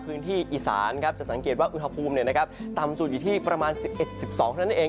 ในพื้นที่อิสานครับจะสังเกตว่าอุณหภูมิเนี่ยนะครับต่ำสุดอยู่ที่ประมาณ๑๑๑๒เท่านั้นเอง